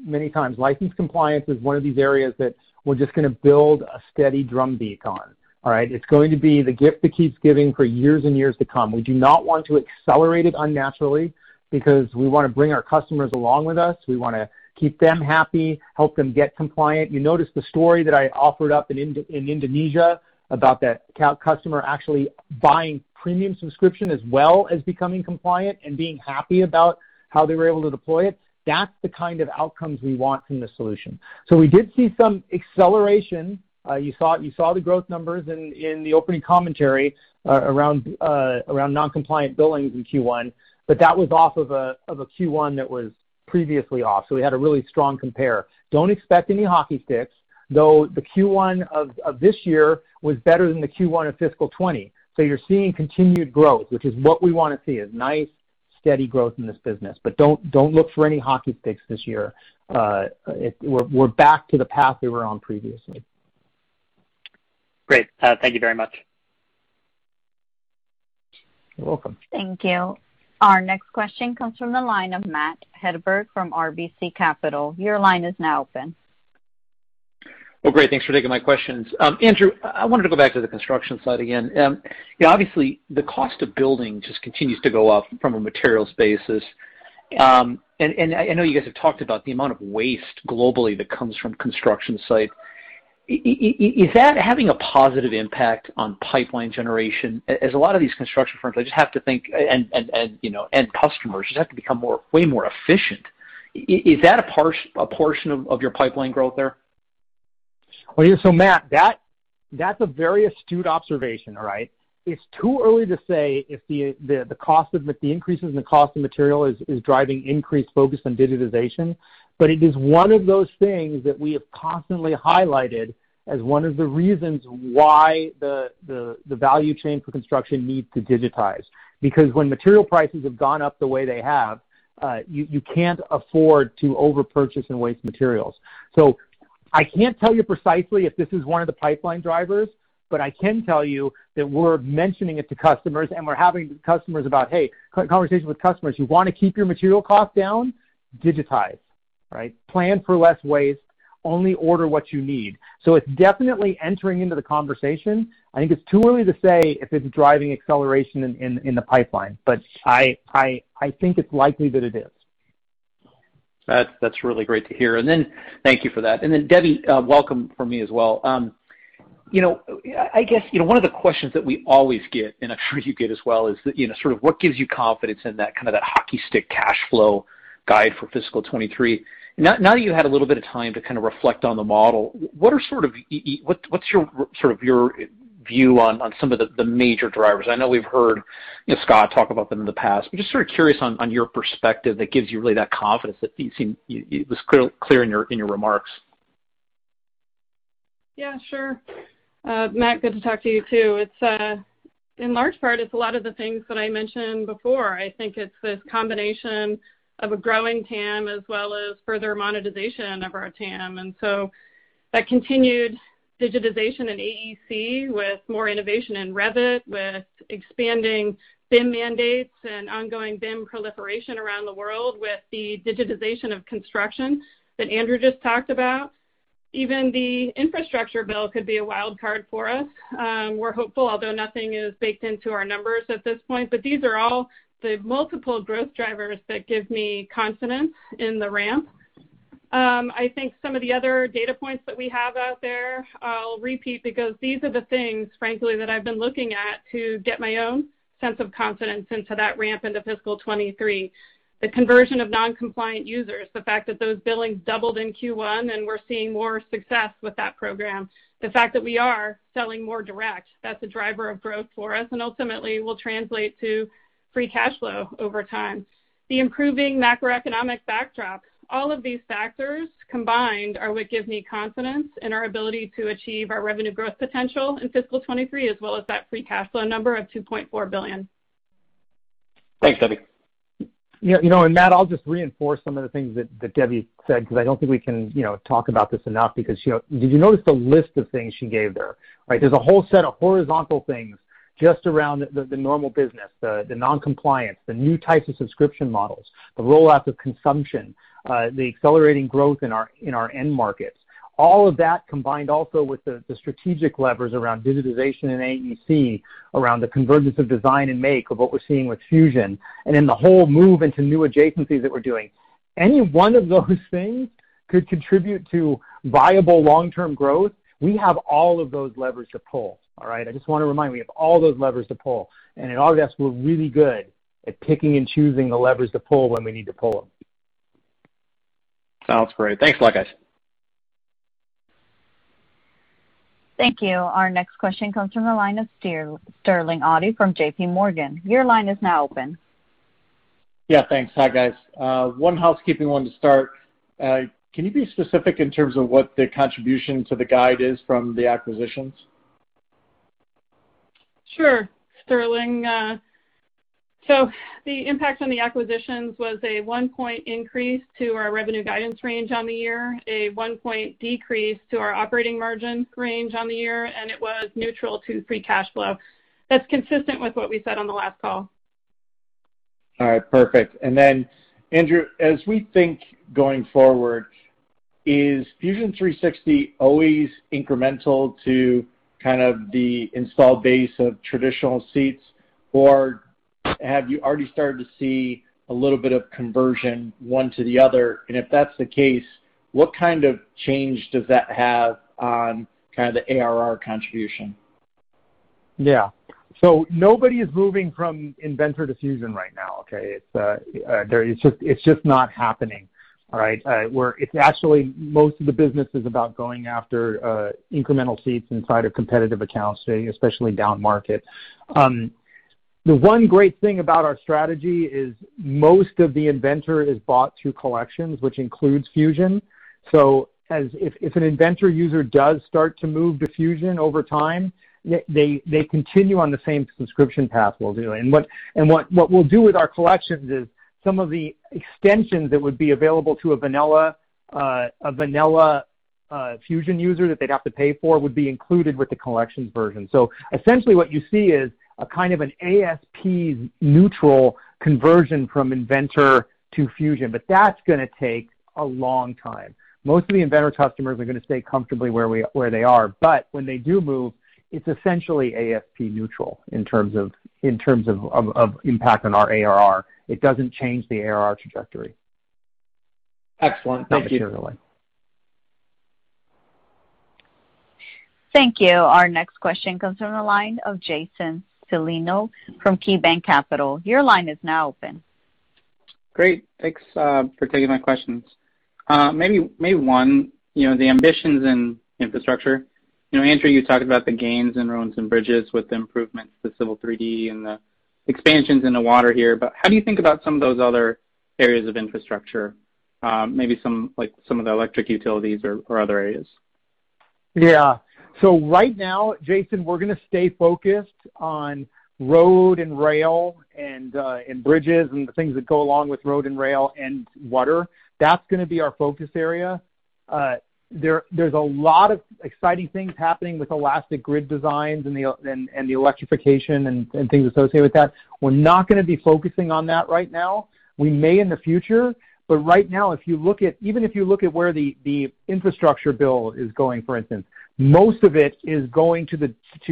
many times, license compliance is one of these areas that we're just going to build a steady drumbeat on. It's going to be the gift that keeps giving for years and years to come. We do not want to accelerate it unnaturally because we want to bring our customers along with us. We want to keep them happy, help them get compliant. You notice the story that I offered up in Indonesia about that customer actually buying Premium plan as well as becoming compliant and being happy about how they were able to deploy it. That's the kind of outcomes we want from the solution. We did see some acceleration. You saw the growth numbers in the opening commentary around non-compliant billings in Q1, but that was off of a Q1 that was previously off. We had a really strong compare. Don't expect any hockey sticks, though the Q1 of this year was better than the Q1 of fiscal 2020. You're seeing continued growth, which is what we want to see, is nice, steady growth in this business. Don't look for any hockey sticks this year. We're back to the path we were on previously. Great. Thank you very much. You're welcome. Thank you. Our next question comes from the line of Matt Hedberg from RBC Capital. Your line is now open. Well, great. Thanks for taking my questions. Andrew, I wanted to go back to the construction side again. Obviously, the cost of building just continues to go up from a materials basis. I know you guys have talked about the amount of waste globally that comes from construction site. Is that having a positive impact on pipeline generation? As a lot of these construction firms, I just have to think, and customers just have to become way more efficient. Is that a portion of your pipeline growth there? Matt, that's a very astute observation. It's too early to say if the increases in the cost of material is driving increased focus on digitization. It is one of those things that we have constantly highlighted as one of the reasons why the value chain for construction needs to digitize. When material prices have gone up the way they have, you can't afford to over-purchase and waste materials. I can't tell you precisely if this is one of the pipeline drivers, but I can tell you that we're mentioning it to customers and we're having conversations with customers who want to keep their material costs down, digitize. Plan for less waste, only order what you need. It's definitely entering into the conversation. I think it's too early to say if it's driving acceleration in the pipeline, but I think it's likely that it is. That's really great to hear. Thank you for that. Debbie, welcome from me as well. I guess, one of the questions that we always get, and I'm sure you get as well is, what gives you confidence in that hockey stick cash flow guide for fiscal 2023? Now you had a little bit of time to reflect on the model. What's your view on some of the major drivers? I know we've heard Scott talk about them in the past. I'm just curious on your perspective that gives you really that confidence that it was clear in your remarks. Yeah, sure. Matt, good to talk to you, too. In large part, it's a lot of the things that I mentioned before. I think it's this combination of a growing TAM as well as further monetization of our TAM. That continued digitization in AEC with more innovation in Revit, with expanding BIM mandates and ongoing BIM proliferation around the world with the digitization of construction that Andrew just talked about. Even the infrastructure bill could be a wild card for us. We're hopeful, although nothing is baked into our numbers at this point. These are all the multiple growth drivers that give me confidence in the ramp. I think some of the other data points that we have out there, I'll repeat, because these are the things, frankly, that I've been looking at to get my own sense of confidence into that ramp into fiscal 2023. The conversion of non-compliant users, the fact that those billings doubled in Q1, and we're seeing more success with that program. The fact that we are selling more direct, that's a driver of growth for us, and ultimately will translate to free cash flow over time. The improving macroeconomic backdrop. All of these factors combined are what gives me confidence in our ability to achieve our revenue growth potential in fiscal 2023, as well as that free cash flow number of $2.4 billion. Thanks, Debbie. Matt, I'll just reinforce some of the things that Debbie said, because I don't think we can talk about this enough because did you notice the list of things she gave there? There's a whole set of horizontal things just around the normal business, the non-compliance, the new types of subscription models, the rollout of consumption, the accelerating growth in our end markets. All of that combined also with the strategic levers around digitization and AEC, around the convergence of design and make of what we're seeing with Fusion, and then the whole move into new adjacencies that we're doing. Any one of those things could contribute to viable long-term growth. We have all of those levers to pull. All right? I just want to remind we have all those levers to pull. At Autodesk, we're really good at picking and choosing the levers to pull when we need to pull them. Sounds great. Thanks, guys. Thank you. Our next question comes from the line of Sterling Auty from JP Morgan. Your line is now open. Yeah, thanks. Hi, guys. One housekeeping one to start. Can you be specific in terms of what the contribution to the guide is from the acquisitions? Sure. Sterling. The impact on the acquisitions was a one-point increase to our revenue guidance range on the year, a one-point decrease to our operating margin range on the year, and it was neutral to free cash flow. That's consistent with what we said on the last call. All right, perfect. Andrew, as we think going forward, is Fusion 360 always incremental to the install base of traditional seats, or have you already started to see a little bit of conversion, one to the other? If that's the case, what kind of change does that have on the ARR contribution? Nobody is moving from Inventor to Fusion right now, okay? It's just not happening. Actually, most of the business is about going after incremental seats inside a competitive account, especially downmarket. The one great thing about our strategy is most of the Inventor is bought through collections, which includes Fusion. If an Inventor user does start to move to Fusion over time, they continue on the same subscription path they'll do. What we'll do with our collections is some of the extensions that would be available to a vanilla Fusion user that they'd have to pay for would be included with the collections version. Essentially what you see is a kind of an ASP neutral conversion from Inventor to Fusion, but that's going to take a long time. Most of the Inventor customers are going to stay comfortably where they are. When they do move, it's essentially ASP neutral in terms of impact on our ARR. It doesn't change the ARR trajectory. Excellent. Thank you. Thanks, Sterling. Thank you. Our next question comes from the line of Jason Celino from KeyBanc Capital Markets. Your line is now open. Great. Thanks for taking my questions. Maybe one, the ambitions in infrastructure. Andrew, you talked about the gains in roads and bridges with improvements to Civil 3D and the expansions into water here. How do you think about some of those other areas of infrastructure, maybe some of the electric utilities or other areas? Yeah. Right now, Jason, we're going to stay focused on road and rail and bridges and the things that go along with road and rail and water. That's going to be our focus area. There's a lot of exciting things happening with electric grid designs and the electrification and things associated with that. We're not going to be focusing on that right now. We may in the future. Right now, even if you look at where the infrastructure bill is going, for instance, most of it is going to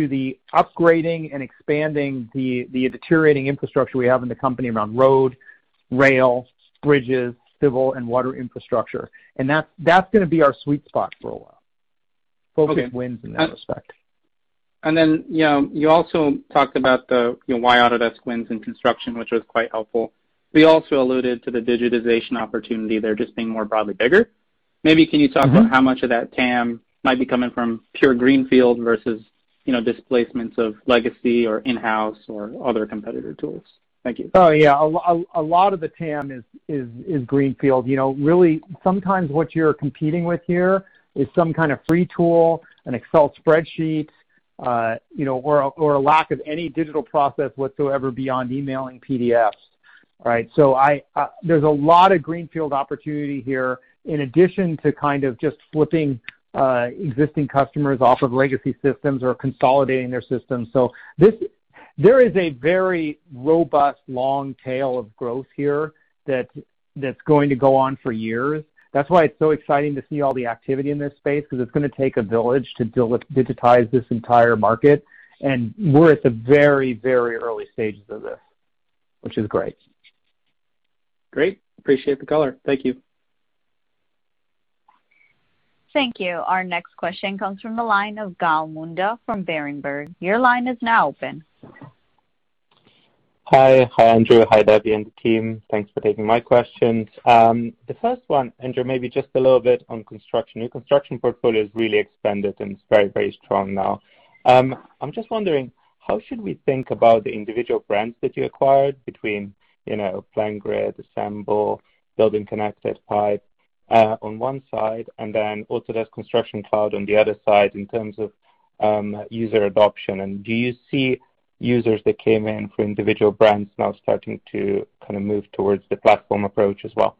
the upgrading and expanding the deteriorating infrastructure we have in the company around road, rail, bridges, civil, and water infrastructure. That's going to be our sweet spot for a while. Focus wins in that respect. You also talked about the why Autodesk wins in construction, which was quite helpful. We also alluded to the digitization opportunity there just being more broadly bigger. About how much of that TAM might be coming from pure greenfield versus displacements of legacy or in-house or other competitor tools? Thank you. Yeah. A lot of the TAM is greenfield. Really, sometimes what you're competing with here is some kind of free tool, an Excel spreadsheet, or a lack of any digital process whatsoever beyond emailing PDFs, right? There's a lot of greenfield opportunity here, in addition to kind of just flipping existing customers off of legacy systems or consolidating their systems. There is a very robust long tail of growth here that's going to go on for years. That's why it's so exciting to see all the activity in this space, because it's going to take a village to digitize this entire market, and we're at the very, very early stages of this, which is great. Great. Appreciate the color. Thank you. Thank you. Our next question comes from the line of Gal Munda from Berenberg. Hi, Andrew. Hi, Debbie and the team. Thanks for taking my questions. The first one, Andrew, maybe just a little bit on construction. Your construction portfolio's really expanded, and it's very, very strong now. I'm just wondering, how should we think about the individual brands that you acquired between PlanGrid, Assemble, BuildingConnected, Upchain on one side, and then Autodesk Construction Cloud on the other side in terms of user adoption. Do you see users that came in for individual brands now starting to move towards the platform approach as well?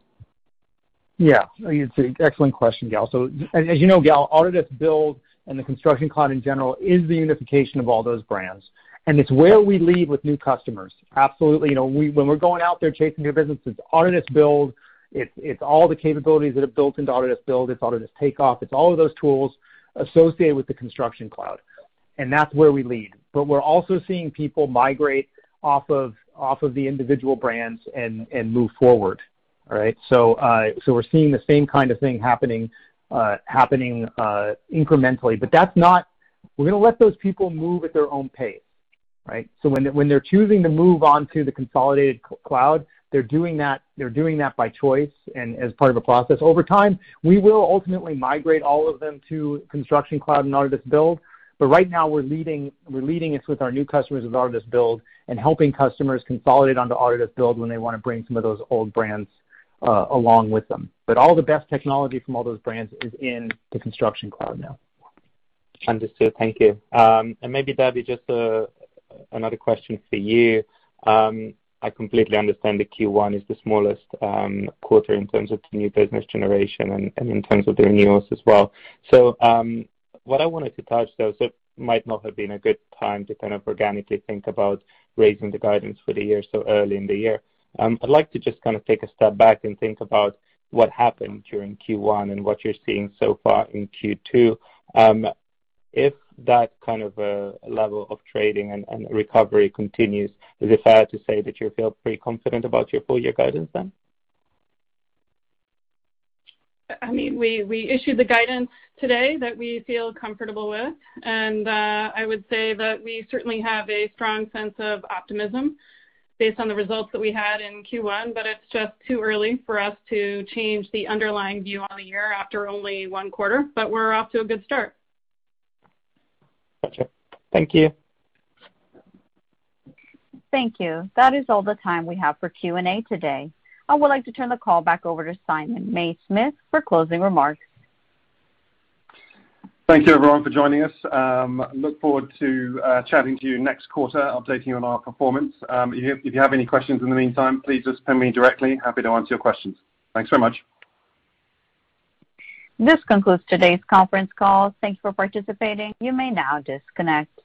Yeah. It's an excellent question, Gal. As you know, Gal, Autodesk Build and the Construction Cloud in general is the unification of all those brands, and it's where we lead with new customers. Absolutely. When we're going out there chasing new business, it's Autodesk Build. It's all the capabilities that are built into Autodesk Build. It's Autodesk Takeoff. It's all of those tools associated with the Construction Cloud, and that's where we lead. We're also seeing people migrate off of the individual brands and move forward. All right? We're seeing the same kind of thing happening incrementally. We're going to let those people move at their own pace, right? When they're choosing to move on to the consolidated cloud, they're doing that by choice and as part of a process over time. We will ultimately migrate all of them to Construction Cloud and Autodesk Build. Right now, we're leading this with our new customers with Autodesk Build and helping customers consolidate onto Autodesk Build when they want to bring some of those old brands along with them. All the best technology from all those brands is in the Construction Cloud now. Understood. Thank you. Maybe, Debbie, just another question for you. I completely understand that Q1 is the smallest quarter in terms of new business generation and in terms of the renewals as well. What I wanted to touch, though, it might not have been a good time to kind of organically think about raising the guidance for the year so early in the year. I'd like to just take a step back and think about what happened during Q1 and what you're seeing so far in Q2. If that kind of level of trading and recovery continues, is it fair to say that you feel pretty confident about your full year guidance then? We issued the guidance today that we feel comfortable with, and I would say that we certainly have a strong sense of optimism based on the results that we had in Q1, but it's just too early for us to change the underlying view on the year after only one quarter. We're off to a good start. Got you. Thank you. Thank you. That is all the time we have for Q&A today. I would like to turn the call back over to Simon Mays-Smith for closing remarks. Thank you, everyone, for joining us. Look forward to chatting to you next quarter, updating you on our performance. If you have any questions in the meantime, please just ping me directly. Happy to answer your questions. Thanks very much. This concludes today's conference call. Thank you for participating. You may now disconnect.